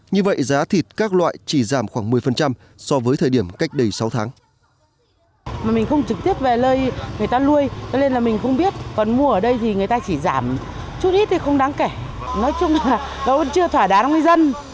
như vậy giá thịt các loại chỉ giảm khoảng một mươi so với thời điểm cách đây sáu tháng